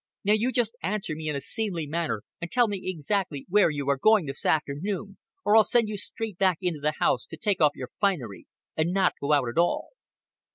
Now you just answer me in a seemly manner and tell me exactly where you are going this afternoon, or I'll send you straight back into the house to take off your finery and not go out at all."